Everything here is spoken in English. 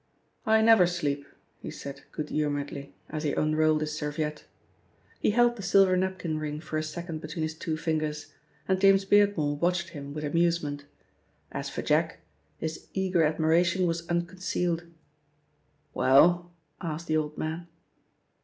"I never sleep," he said good humouredly as he unrolled his serviette. He held the silver napkin ring for a second between his two fingers, and James Beardmore watched him with amusement. As for Jack, his eager admiration was unconcealed. "Well?" asked the old man.